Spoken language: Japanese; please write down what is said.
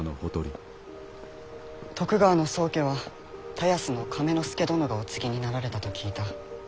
徳川の宗家は田安の亀之助殿がお継ぎになられたと聞いた。